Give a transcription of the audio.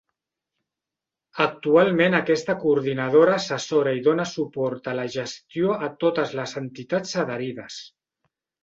Actualment aquesta coordinadora assessora i dóna suport a la gestió a totes les entitats adherides.